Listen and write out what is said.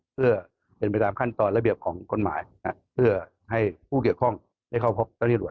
เพื่อเป็นไปตามขั้นตอนระเบียบของกฎหมายเพื่อให้ผู้เกี่ยวข้องได้เข้าพบเจ้าที่หลวง